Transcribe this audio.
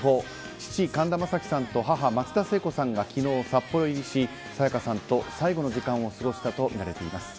父・神田正輝さんと母・松田聖子さんが昨日、札幌入りし、沙也加さんと最後の時間を過ごしたとみられています。